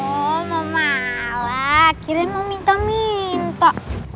oh mau malah kirain mau minta minta